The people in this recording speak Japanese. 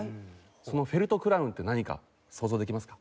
そのフェルトクラウンって何か想像できますか？